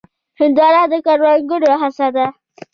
هندوانه د کروندګرو هڅه ده.